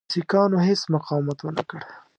سیکهانو هیڅ مقاومت ونه کړ.